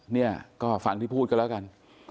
เนี่ยก็ฟังที่พูดกันแล้วกัน